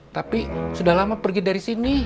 tapi sudah lama pergi dari sini